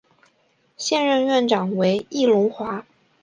现任院长为易荣华。